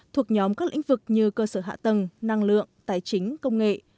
thuộc nhóm các lĩnh vực như cơ sở hạ tầng năng lượng tài chính công nghệ